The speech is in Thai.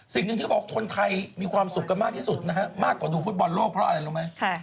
สิ่งหนึ่งที่เขาบอกคนไทยมีความสุขกันมากที่สุดนะฮะมากกว่าดูฟุตบอลโลกเพราะอะไรรู้ไหม